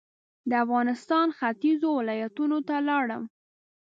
د افغانستان ختيځو ولایتونو ته لاړم.